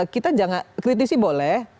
kita kritisi boleh